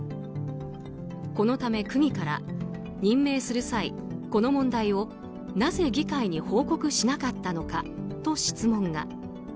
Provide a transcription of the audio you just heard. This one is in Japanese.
このため、区議から任命する際この問題をなぜ議会に報告しなかったと質問が。